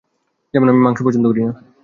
যেমন, আমি মাংস পছন্দ করি না।